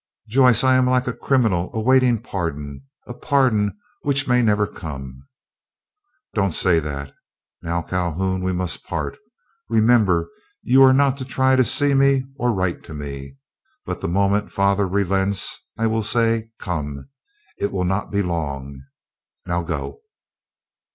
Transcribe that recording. "Joyce, I am like a criminal awaiting pardon—a pardon which may never come." "Don't say that. Now, Calhoun, we must part. Remember you are not to try to see me or write to me. But the moment father relents I will say, Come. It will not be long. Now go."